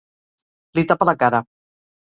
Li tapa la cara.